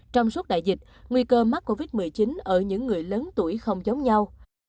trong suốt đại dịch nguy cơ mắc covid một mươi chín ở những người lớn tuổi không giống nhau